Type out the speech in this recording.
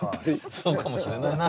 そうかもしれねえな。